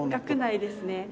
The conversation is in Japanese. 学内ですね。